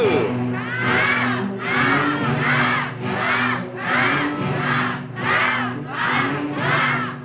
ข้าวข้าวข้าวข้าวข้าวข้าวข้าวข้าวข้าวข้าว